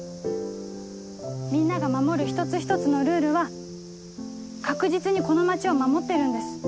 みんなが守る一つ一つのルールは確実にこの街を守ってるんです。